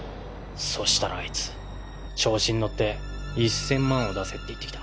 そうしたらあいつ調子に乗って１０００万を出せって言ってきた。